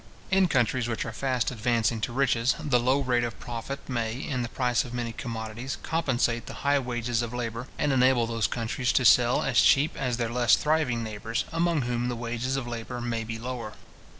In countries which are fast advancing to riches, the low rate of profit may, in the price of many commodities, compensate the high wages of labour, and enable those countries to sell as cheap as their less thriving neighbours, among whom the wages of labour may be lower.